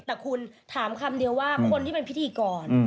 แต่คุณถามคำเดียวว่าคนที่เป็นพิธีกร